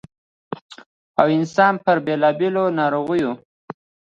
٫ او انسـان پـر بېـلابېـلو نـاروغـيو